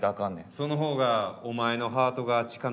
その方がお前のハートが近なるやろ。